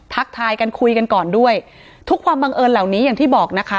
ทักทายกันคุยกันก่อนด้วยทุกความบังเอิญเหล่านี้อย่างที่บอกนะคะ